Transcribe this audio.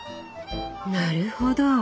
なるほど。